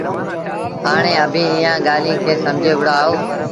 هآڻي اڀيٚنٚ ايٚئآنٚ ڳآليٚنٚ کي سمجھي وهُڙآ اهو